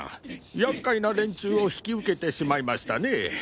厄介な連中を引き受けてしまいましたねぇ。